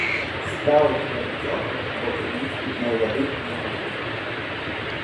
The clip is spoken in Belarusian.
Сталых вадацёкаў або крыніц пітной вады няма.